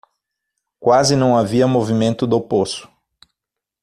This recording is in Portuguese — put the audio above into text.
Quase não havia movimento do poço.